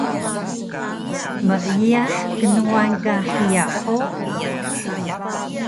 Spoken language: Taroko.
Meiyah knuwan ka hiya hug?